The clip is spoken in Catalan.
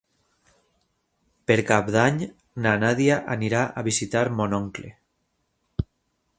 Per Cap d'Any na Nàdia anirà a visitar mon oncle.